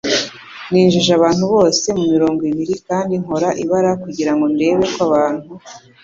Ninjije abantu bose mumirongo ibiri kandi nkora ibara kugirango ndebe ko abantu